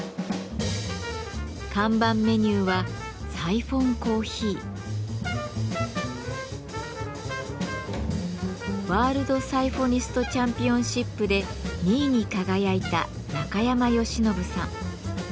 看板メニューはワールド・サイフォニスト・チャンピオンシップで２位に輝いた中山吉伸さん。